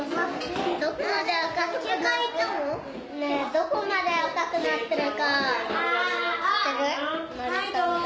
どこまで赤くなってる？